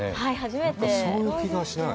そういう気がしない。